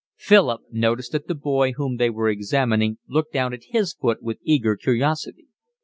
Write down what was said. Philip noticed that the boy whom they were examining looked down at his foot with eager curiosity.